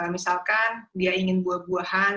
misalkan dia ingin buah buahan